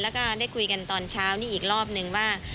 แล้วก็ได้คุยกันตอนเช้านี้อีกรอบนึงว่า